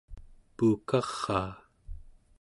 puukaraa